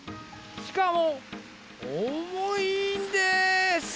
しかも、多いんです。